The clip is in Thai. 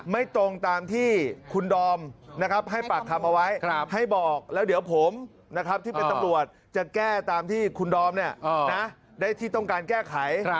ไม่ตรงตามที่คุณดอมให้ปากคำเอาไว้ให้บอกแล้วเดี๋ยวผมนะครับที่เป็นตำรวจจะแก้ตามที่คุณดอมได้ที่ต้องการแก้ไข